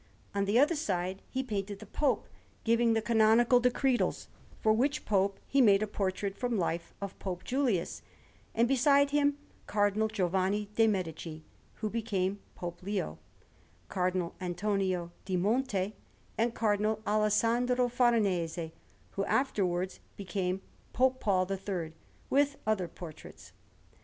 On the other side he painted the Pope giving the Canonical Decretals; for which Pope he made a portrait from life of Pope Julius, and, beside him, Cardinal Giovanni de' Medici, who became Pope Leo, Cardinal Antonio di Monte, and Cardinal Alessandro Farnese, who afterwards became Pope Paul III, with other portraits.